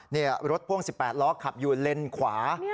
นี่รถพ่วง๑๘ล้อขับอยู่เลนขวา